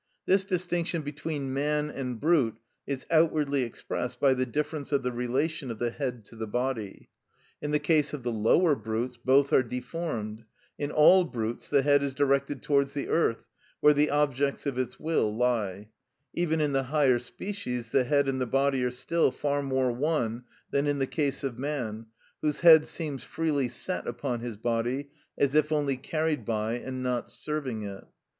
This distinction between man and brute is outwardly expressed by the difference of the relation of the head to the body. In the case of the lower brutes both are deformed: in all brutes the head is directed towards the earth, where the objects of its will lie; even in the higher species the head and the body are still far more one than in the case of man, whose head seems freely set upon his body, as if only carried by and not serving it.